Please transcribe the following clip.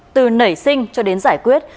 từ nảy sinh cho đến giải quyết